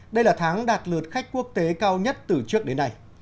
đây là tháng đạt lượt khách quốc tế cao nhất từ trước đến nay